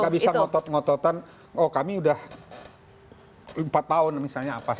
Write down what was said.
nggak bisa ngotot ngototan oh kami udah empat tahun misalnya apa sih